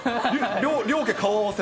両家顔合わせ？